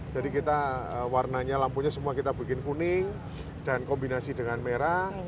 jadi kita warnanya lampunya semua kita bikin kuning dan kombinasi dengan merah